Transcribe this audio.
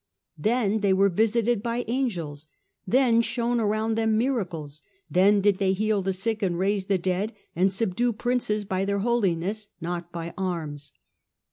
Then they were visited of angels, then shone around them miracles, then did they heal the sick and raise the dead, and subdue Princes by their holiness, not by arms.